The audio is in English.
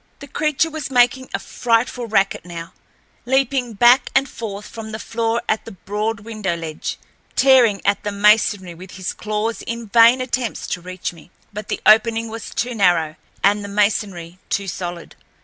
The creature was making a frightful racket now, leaping back and forth from the floor at the broad window ledge, tearing at the masonry with his claws in vain attempts to reach me. But the opening was too narrow, and the masonry too solid.